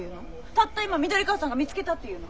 たった今緑川さんが見つけたっていうの？